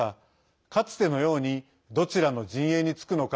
かつてのようにどちらの陣営につくのか